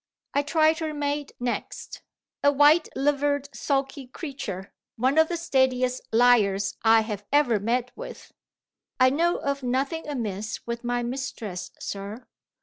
I tried her maid next, a white livered sulky creature, one of the steadiest liars I have ever met with. 'I know of nothing amiss with my mistress, sir.'